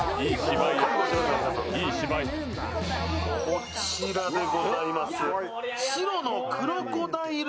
こちらでございます。